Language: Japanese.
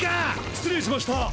失礼しました。